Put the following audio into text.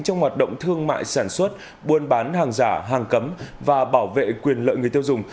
trong hoạt động thương mại sản xuất buôn bán hàng giả hàng cấm và bảo vệ quyền lợi người tiêu dùng